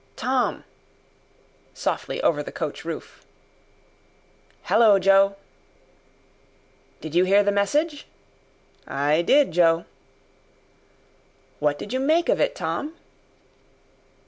"Tom!" softly over the coach roof. "Hallo, Joe." "Did you hear the message?" "I did, Joe." "What did you make of it, Tom?"